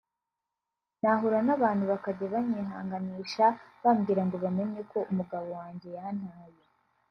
nahura n’abantu bakajya banyihanganisha bambwira ngo bamenye ko umugabo wanjye yantaye …”